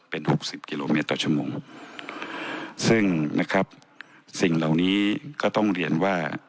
เป็นหกสิบกิโลเมตรต่อชั่วโมงซึ่งนะครับสิ่งเหล่านี้ก็ต้องเรียนว่า